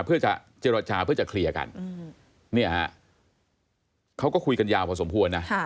เพื่อจะเจรจาเพื่อจะเคลียร์กันเนี่ยฮะเขาก็คุยกันยาวพอสมควรนะ